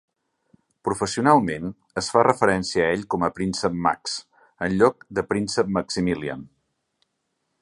Professionalment, es fa referència à ell com a Príncep Max, enlloc de Príncep Maximilian.